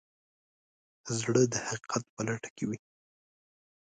زړه د حقیقت په لټه کې وي.